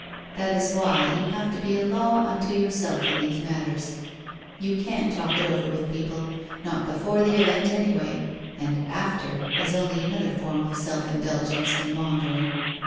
That is why you have to be a law unto yourself in these matters. You can't talk it over with people, not be fore the event, anyway, and after, is only another form of self indulgence and maundering.